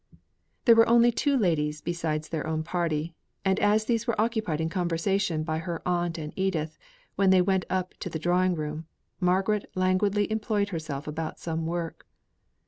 There were only two ladies beside their own party, and as these were occupied in conversation by her aunt and Edith, when they went up into the drawing room, Margaret languidly employed herself about some work.